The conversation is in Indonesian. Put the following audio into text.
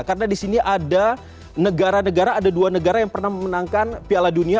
karena di sini ada negara negara ada dua negara yang pernah memenangkan piala dunia